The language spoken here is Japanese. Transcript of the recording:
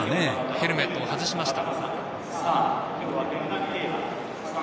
ヘルメットを外しました。